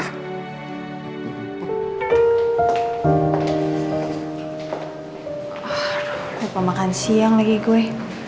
aduh lupa makan siang lagi gue